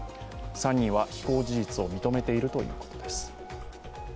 ３人は非行事実を認めているということです。